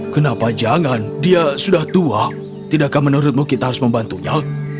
kenapa jangan dia sudah tua tidakkah menurutmu kita harus membantunya